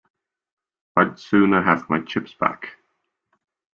I'd sooner have my chips back.